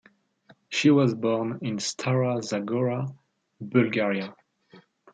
She was born in Stara Zagora, Bulgaria.